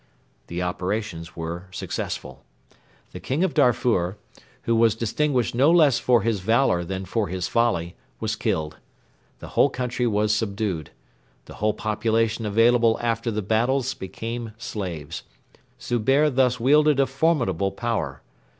The operations were successful. The King of Darfur, who was distinguished no less for his valour than for his folly, was killed. The whole country was subdued. The whole population available after the battles became slaves. Zubehr thus wielded a formidable power.